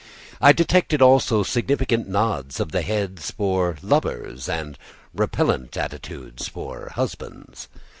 I detected also significant nods of the head for lovers and repellent attitudes for husbands.